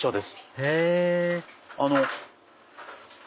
へぇあの。